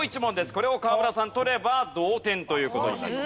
これを河村さん取れば同点という事になります。